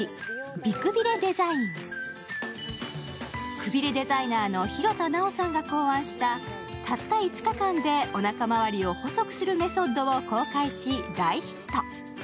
くびれデザイナーの廣田なおさんが考案したたった５日間でおなかまわりを細くするメソッドを公開し、大ヒット。